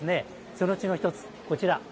そのうちの１つ、こちら。